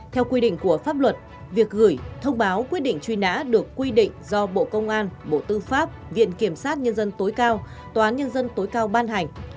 theo quy định của pháp luật việc gửi thông báo quyết định truy nã được quy định do bộ công an bộ tư pháp viện kiểm sát nhân dân tối cao tòa án nhân dân tối cao ban hành